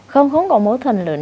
không không có mâu thuẫn lớn